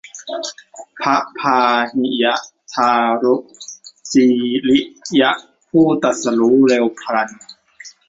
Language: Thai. พระพาหิยทารุจีริยะ ผู้ตรัสรู้เร็วพลัน